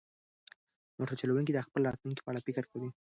موټر چلونکی د خپل راتلونکي په اړه فکر کوي.